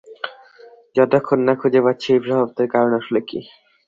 যতক্ষণ না খুঁজে পাচ্ছি এই প্রভাবটার কারণ আসলে কি।